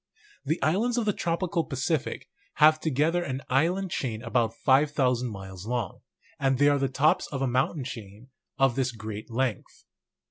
The islands of the tropical Pacific make together an island chain about 5,000 miles long; and they are the tops of a mountain chain of this great length.